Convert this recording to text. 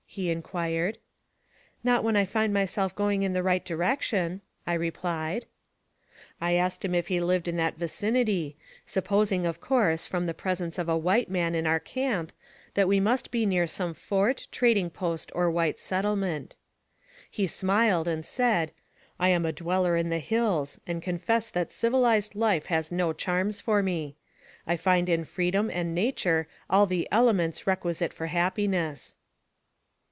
he inquired. " Not when I find myself going in the right direc tion," I replied. I asked him if he lived in that vicinity, supposing, of course, from the presence of a white man in oui 206 NARRATIVE OF CAPTIVITY camp, that we must be near some fort, trading post, or white settlement. He smiled and said, "I am a dweller in the hills, and confess that civilized life has no charms for me. I find in freedom and nature all the elements requisite for happiness."